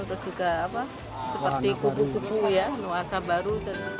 terus juga seperti kupu kupu ya nuansa baru